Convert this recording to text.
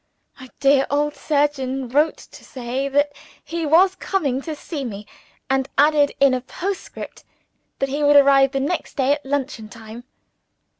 My dear old surgeon wrote to say that he was coming to see me and added in a postscript that he would arrive the next day at luncheon time.